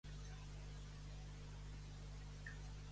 "Està situada a baix d'un turó, a la partida de ""Les Guàrdies""."